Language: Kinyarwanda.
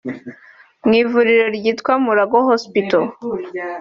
mu ivuriro ryitwa Mulago Hospital